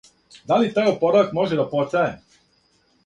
Да ли тај опоравак може да потраје?